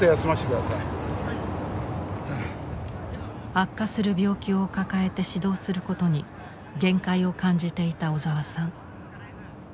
悪化する病気を抱えて指導することに限界を感じていた小沢さん。